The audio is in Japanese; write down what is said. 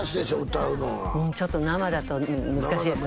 歌うのがちょっと生だと難しいですね